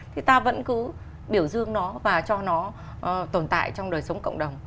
thì ta vẫn cứ biểu dương nó và cho nó tồn tại trong đời sống cộng đồng